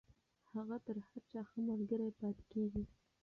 هغه تر هر چا ښه ملگرې پاتې کېږي.